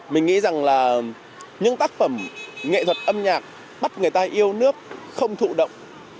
mình nghĩ rằng là những tác phẩm nghệ thuật âm nhạc bắt người ta yêu nước không thụ động